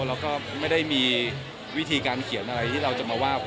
แล้วก็ไม่ได้มีวิธีการเขียนอะไรที่เราจะมาว่า